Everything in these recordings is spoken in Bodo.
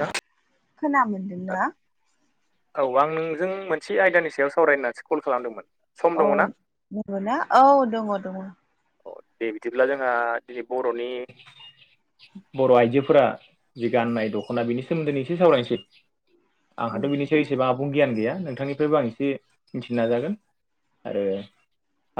नोंथां खोनामोनदों ना औ आं नोंजों मोनसे आयदानि सायाव सावरायनो होननानैसो कल खालामदोंमोन सम औ दङना नंगौ ना औ दङ दङ औ दे बिदिब्ला जोंहा दिनै बर'नि बर' आइजोफोरा जि गाननाय दख'ना बेनि सोमोन्दैनो एसे सावरायनोसै आंहाथ' बिनिफ्राय एसेबां आबुं गियान गैया नोंथांनिफ्रायबो आं एसे मिथिनो नाजागोन आरो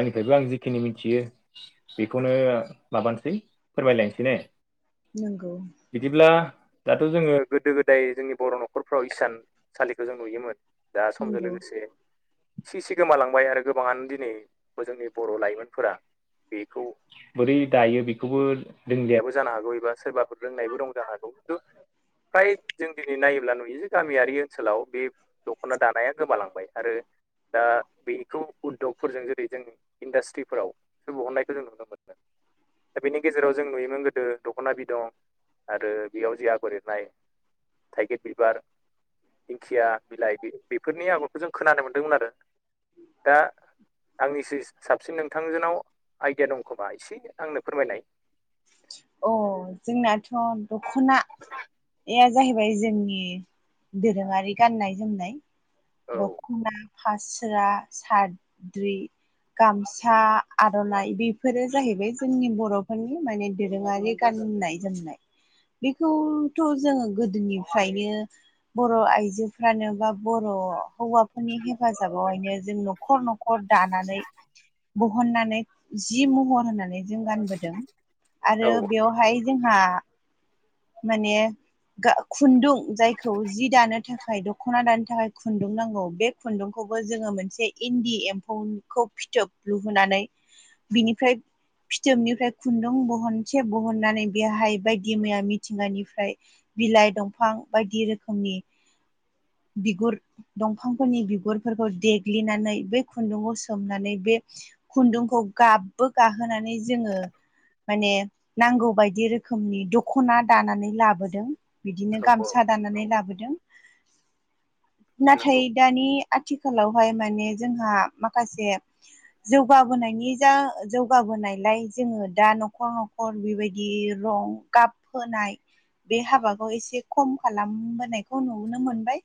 आंनिफ्रायबो आं जिखिनि मिथियो बेखौनो माबानसै फोरमायलायनोसै ने नोंगौ बिदिब्ला दाथ' जोङो गोदो गोदाय जोंनि बर' नखरफ्राव इसान सालिखौ जों नुयोमोन दा समजों नंगौ लोगोसे एसि एसि गोमालांबाय आरो गोबाङानो दिनै जोंनि बर' लाइमोनफोरा बेखौ बोरै दायो बेखौबो रोंलियाबो जानो हागौ एबा सोरबाफोर रोंनायबो दं जानो हागौ खिन्थु फ्राय जों दिनै नायोब्ला नुयो जे गामियारि ओनसोलाव बे दख'ना दानाया गोमालांबाय आरो दा बेखौ उध्गफोरजों जेरै जों इन्डासट्रिफोराव बहननायखौ जों नुनो मोनो दा बेनि गेजेराव जों नुयोमोन गोदो दख'ना बिदन आरो बेयाव जि आगर एरनाय थाइगिर बिबार दिंखिया बिलाइ बि-बैफोरनि आगरखौ जों खोनानो मोनदोंमोन आरो दा आंनिसै साबसिन नोंथांजोनाव आइदिया दं खोमा एसे आंनो फोरमायनाय अ जोंनाथ' दख'नाया जाहैबाय जोंनि दोरोङारि गाननाय जोमनाय औ द ख'ना फास्रा साद्रि गामसा आर'नाइ बिफोरो जाहैबाय जोंनि बर'फोरनि माने दोरोङारि गाननाय जोमनाय बेखौथ' जोङो गोदोनिफ्रायनो बर' आइजोफ्रानो बा बर' हौवाफोरनि हेफाजाबावहायनो जों नख खर नखर दानानै बहननानै जि महर होननानै जों गानबोदों आरो औ बेवहाय जोंहा माने गा खुन्दुं जायखौ जि दानो थाखाय दख'ना दानो थाखाय खुन्दुं नांगौ बे खुन्दुंखौबो जोङो मोनसे इन्दि एम्फौखौ फिथोब लुहोनानै बिनिफ्राय फिथोबनिफ्राय खुन दुं बहनसे बहननानै बेहाय बायदि मैया मिथिंगानिफ्राय बिलाइ दंफां बायदि रोखोमनि बिगुर दंफांफोरनि बिगुरफोरखौ देग्लिनानै बे खुन्दुंआव सोमनानै बे खुन्दुंखौ गाबबो गाहोनानै जोङो माने नांगौ बायदि रोखोमनि दख'ना दानानै लाबोदों। औ बिदिनो औ गामसा दानानै लाबोदों। नंगौ नाथाय दानि आथिखालावहाय माने जोंहा माखासे जौगाबोनायनि जा जौगाबोनायलाय जोङो दा न' न'खर न'खर बेबायदि रं गाब फोन्नाय बे हाबाखौ एसे खम खालामबोनायखौ नुनो मोनबाय।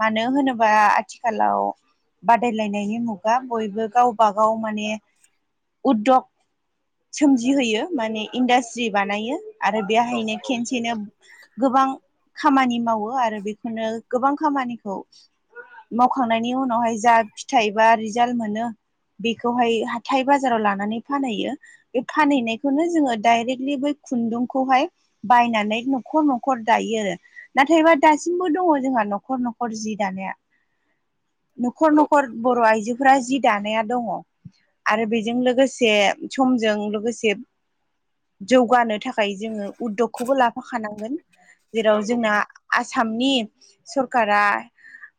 मानो होनोबा आथिखालाव बादायलायनायनि मुगा बयबो गाव बागाव माने उदधग सोमजिहोयो। माने इन्डास्ट्रि बानायो आरो औ बेहायनो औ खेनसेनो गोबां खामानि मावो आरो बेखौनो गोबां खामानिखौ मावखांनायनि उनावहाय जा फिथाइ बा रिजाल्ट मोनो। बेखौहाय हाथाय बाजाराव लानानै फानहैयो बे फानहैनाय बेखौनो जोङो डाइरेक्टलि बै खुन्दुंखौहाय बायनानै न'खर न'खर दायो आरो। नाथायबा दासिमबो दङ जोंहा न'खर न'खर जि दानाया। [inaudible] न'खर औ न'खर औ बर' आइजो फ्रा जि दानाया दङ आरो बेजों लोगोसे समजों लोगोसे जौगानो थाखाय जोङो उददगखौबो लाफाखानांगोन जेराव नंगौ जोंना आसामनि सरकारा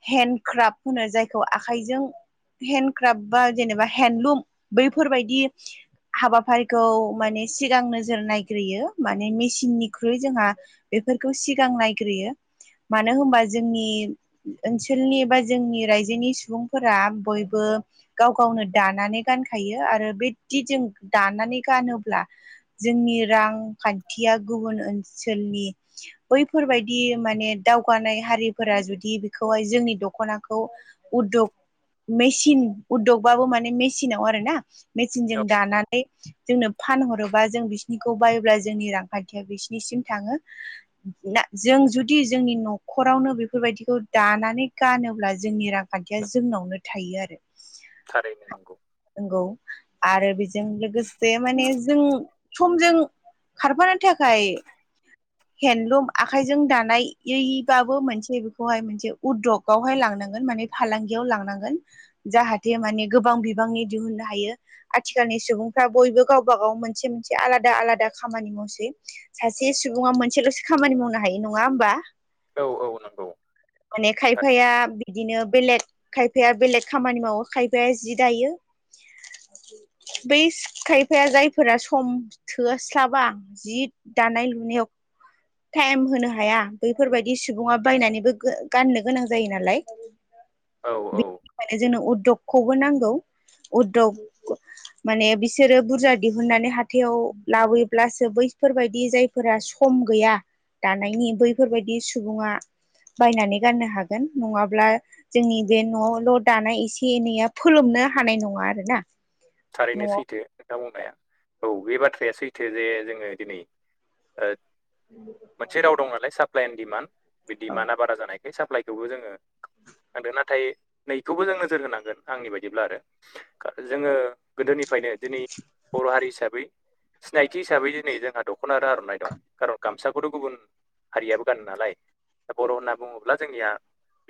हेडक्राफ्ट होनो जायखौ आखाइजों हेन्दडक्राफ्ट बा जेनेबा हेन्दलुम बैफोरबायदि हाबाफारिखौ माने सिगां नोजोर नायग्रोयो माने मेसिननिख्रुइ जोंहा बेफोरखौ सिगां नायग्रोयो मानो होनबा जोंनि ओनसोलनि बा जोंनि रायजोनि सुबुंफोरा बयबो गाव गावनो दानानै गानखायो आरो बिदि जों दानानै गानो जोंनि रांखान्थिया गुबुन ओनसोलनि बैफोरबायदि माने दावगानाय हारिफोरा जुदि बेखौहाय जोंनि दख'नाखौ उदग मेसिन उदगबाबो माने मेसिनाव आरो ना। मेचिनजों औ दानानै जोंनो फानहरोबा जों बिसिनिखौ बायोब्ला जोंनि रांखान्थिया बिसिनिसिम थाङो। जों जुदि जोंनि न'खरावनो बेफोरबायदिखौ दानानै गानोब्ला जोंनि रांखान्थिया जोंनावनो थायो आरो। थारायनो नोंगौ। नंगौ आरो बि जों लोगोसे माने जों समजों खारफानो थाखाय हेन्दन्दलुम आखाइजों दानायबाबो मोनसे खौहाय मोनसे उदगावहाय लांनांगोन माने फालांगियाव लांनांगोन। जाहाथे माने गोबां बिबांनि दिहुननो हायो। आथिखालनि सुबुंफ्रा बयबो गावबा गाव मोनसे मोनसे आलादा आलादा खामानि मावसै। सासे सुबुङा मोनसेल'सो खामानि मावनो हायो नङा होमबा। औ औ नंगौ माने खायफाया बिदिनो बेलेग खायफाया बेलेग खामानि मावो खायफाया जि दायो। बै खायफाया जायफोरा सम थोस्लाबा जि दानाय लुनायाव टाइम होनो हाया बैफोरबायाददि सुबुङा बायनानैबो गाननो गोनां जायो नालाय। औ औ। म जोंनो उद्दगखौबो नांगौ उद्दग। माने बिसोरो बुरजा दिहुननानै हाथायाव लाबोयोब्लासो बैफोरबायदि जाय फोर सम गैया दानायनि बैफोरबायदि सुबुङा बायनानै गाननो हागोन नङाब्ला जोंनि बे न'ल' दानाया एसे एनैया फोलोमनो हानाय नङा आरो ना। थारैनो सैथो खोथा बुंनाया औ बे बाथ्राया सैथो जे जोङो दिनै मोनसे राव दं नालाय सापलाइ एन्ड डिमान्ड बे डिमान्डआ बारा जानाय। बे साप्लायखौबो जोङो नांदों नाथाय नैखौबो जों नोजोर होनांगोन आंनि बायदिब्ला आरो। जोङो गोदोनिफ्रायनो दिनै बर' हारि हिसाबै सिनायथि हिसाबै दिनै जोंहा दख'ना आरो आर'नाइ दं खारन गामसाखौथ' गुबुन हारियाबो गानो नालाय दा बर' होनना बुङोब्ला जोंनिया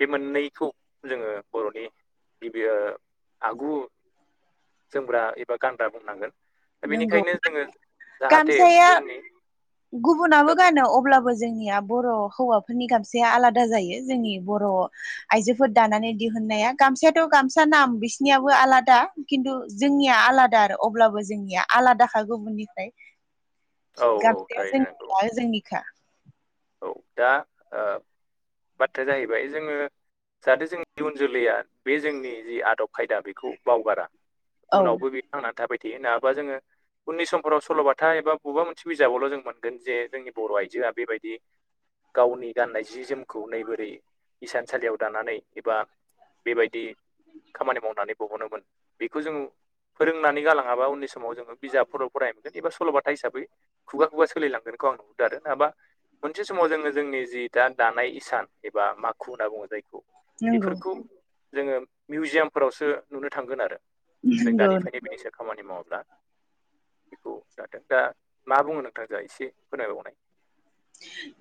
बे मोननैखौ जोङो बर'नि बिबियो आगु जोमग्रा एबा गानग्रा बुंनांगोन। दा नंगौ बेनिखायनो जोङो जाहाथे गामसाया जोंनि गुबुनाबो गानो अब्लाबो जोंनिया बर' हौवाफोरनि गामसाया आलादा जायो। जोंनि बर' आयजोफोर दानानै दिहुननाया गामसायाथ' गामसा नाम बिसिनियाबो आलादा खिन्थु जोंनिया आलादा आरो अब्लाबो जोंनिया आलादाखा गुबुननिफ्राय औ औ गामसाया थारैनो नंगौ जोंनिखा जोंनिखा। औ दा बाथ्राया जाहैबाय जोङो। जाहाथे जोंनि इयुन जोलैया बे जोंनि जि आदब खायदा बेखौ बावगारा। औ उनावबो बे थांनानै थाबाय थायो नङाबा जोङो। उननि समफोराव सल'बाथा एबा बबेबा मोनसे बिजाबावल' जों मोनगोन‌ जे जोंनि बर' आइजोआ बेबायदि गावनि गाननाय जि जोमखौ नै बोरै इसानसालियाव दानानै एबा बेबायदि खामानि मावनानै बहनोमोन। बेखौ जों फोरोंनानै गालाङाबा उननि समाव जोङो बिजाबफोराव फराय मोनगोन एबा सल'बाथा हिसाबै खुगा खुगा सोलिलांगोनखौ आं नुबोदों आरो। नङाबा मोनसे समाव जोङो जोंनि जि दा दानाय इसान एबा माखु होनना बुङो जायखौ। नंगौ बेफोरखौ जोङो मिउजियामफोरावसो नुनो थांगोन आरो। जों नंगौ दानिफ्रायनो बेनिसायाव खामानि मावाब्ला बेखौ दादों दा मा बुङो नोंथां जा एसे खोनायबावनाय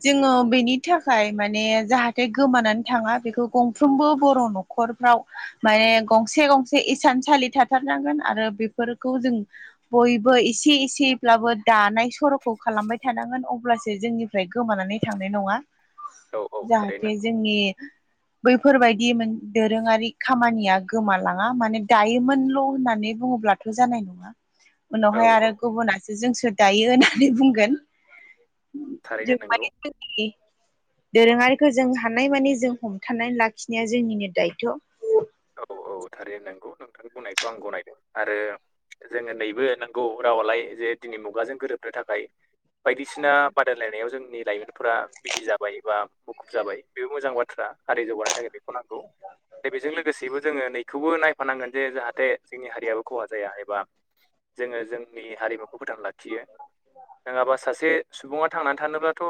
जोङो बेनि थाखाय माने जाहाथे बे गोमानानै थाङा बेखौ गंफ्रोमबो बर' न'खरफ्राव माने गंसे गंसे इसानसालि थाथारनांगोन आरो बेफोरखौ जों बयबो इसे एसेब्लाबो दानाय सर'खौ खालामबाय थानांगोन। अब्लासो जोंनिफ्राय गोमानानै थांनाय नङा। औ औ थारैनो जाहाथे नंगौ जोंनि बैफोरबायदि दोरोङारि मोश खामानिया गोमालाङा माने दायोमोनल' होननानै बुङोब्ला थ' जानाय नङा। औ उनावहाय औ आरो गुबुनासो जोंसो दायो होननानै बुंगोन। जों थारैनो नंगौ माने जोंनि दोरोङारिखौ जों हानायमानि जों हमथानानै लाखिनाया जोंनिनो दायथ'। औ औ थारैनो नोंगौ नोंथांनि बुंनायखौ आं गनायदों आरो जोङो नैबो नंगौ रावालाय जे दिनै मुगाजों गोरोबनो थाखाय बायदिसिना बादायलायनायाव जोंनि लाइमोनफोरा बिजि जाबाय एबा मुखुब जाबाय बेबो मोजां बाथ्रा आरो जौगानायनि थाखाय बेखौ नांगौ दा बेजों लोगोसेैबो जोङो नैखौबो नायफानांगोन जे जाहाथे जोंनि हारियाबो खहा जाया। एबा जोङो जोंनि हारिमुखौ फोथांना लाखियो। नङाबा सासे सुबुङा थांनानै थानोबाथ'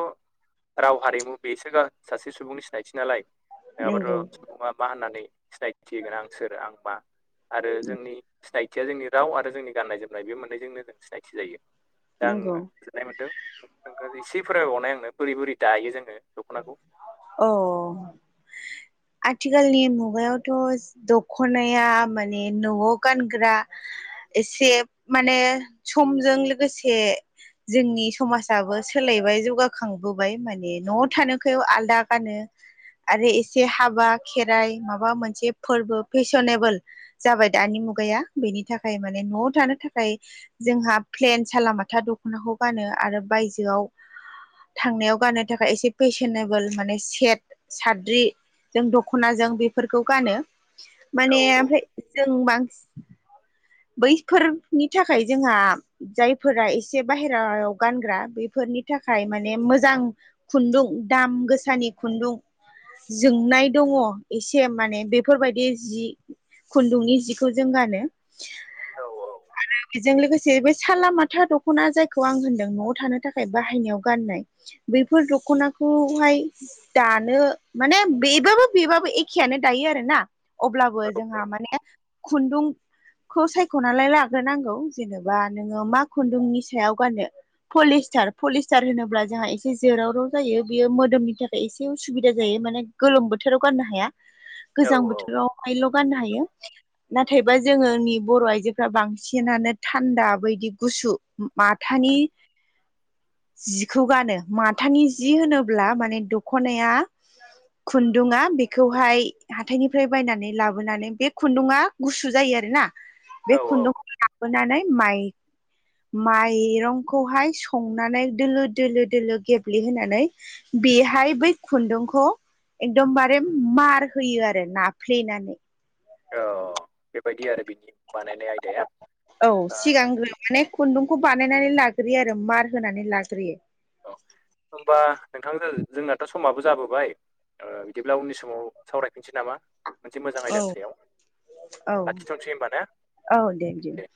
राव हारिमु बेसो सासे सुबुंनि सिनायथि नालाय नङाबाथ' नंगौ सुबुङा मा होननानै सिनायथि होगोन आं सोर आं मा आरो जोंनि सिनायथि सिनायथिया जोंनि राव आरो जोंनि गाननाय जोमनाय बे मोननैजोंनो जों सिनायथि जायो दा आङो नंगौ सानाय मोनदों एसे फोररायबावनाय आंनो बोरै बोरै दायो जोङो दख'नाखौ अ आथिखालनि मुगायावथ' दखनाया माने न'आव गानग्रा एसे माने समजों लोगोसे जोंनि समाजाबो सोलायबाय जौगाखांबोबाय माने न [unintelligible] आलादा गानो आरो एसे हाबा खेराइ माबा मोनसे फोरबो फेसनेबोल जाबाय दानि मुगाया बेनि थाखाय माने न'आव थानो थाखाय जोंहा प्लेन सालामाथा दख'नाखौ गानो आरो बायजोआव थांनायाव गाननो थाखाय एसे फेशनेबोल माने सेट साद्रि जों दख'नाजों बेफोरखौ गानो औ माने औ ओमफ्राय जों बांसिन बैफोरनि थाखाय जोंहा जायफोरा एसे बायेरायाव गानग्रा बेफोरनि थाखाय माने मोजां खुनदुं दाम गोसानि खुनदुं जोंनाय दङ एसे माने बेफोरबायदि जि खुनदुंनि जिखौ जों गानो औ आरो बेजों लोगोसे बो सालामाथा दख'ना जायखौ आं होनदों न'आव थानो थाखाय बाहायनायाव गाननाय बेफोर दख'ना खौहाय दानो माने बेबाबो बेबाबो एखेयानो दायो आरो ना अब्लाबो औ जोंहा माने खुनदुं खौ सायख'नानैहाय लाग्रोनांगौ जेनेबा नोङो मा खुनदुंनि सायाव गाननो पलिस्टार पलिस्टार होनोब्ला जोंहा एसे जोराव राव जायो बियो मोदोमनि थाखाय एसे उसुबिदा जायो माने गोलोम बोथोराव गाननो हाया गोजां बोथोराव आल' गाननो हायो नाथायबा जोङोनि बर' आइजोफोरा बांसिनानो थानदा बायदि गुसु माथानि जिखौ गानो माथानि जि होनोब्ला माने दखनाया खुनदुङा बेखौहाय हाथाइनिफ्राय बायनानै लाबोनानै बे खुनदुङा गुसु जायो आरोना बे औ खुनदुंखौ लाबोनानै माइ माइरंखौहाय सं नानै दोलो दोलो दोलो गेब्लेहोनानै बेहाय बै खुनदुंखौ एकदमबारे मार होयो आरो नाफ्लेनानै औ बेबायदि आरो बिनि बानायनाय आयदाया औ सिगांग्रो माने खुनदुंखौ बानायनानै लाग्रोयो आरो मार होनानै लाग्रोयो अ होनबा नोंथां जोंनाथ' समाबो जाबोबाय ओ बिदिब्ला उननि समाव सावरायफिनसै नामा मोनसे मोजां औ आयदानि सायाव औ लाखिथ'नोसै होमबा ने औ दे बिदिब्ला